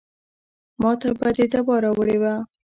ماته به دې دوا راوړې وه.